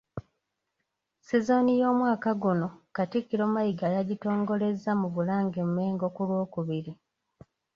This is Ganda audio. Sizoni y’omwaka guno, Katikkiro Mayiga yagitongolezza mu Bulange – Mmengo ku Lwokubiri.